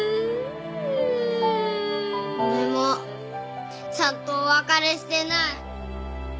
俺もちゃんとお別れしてない。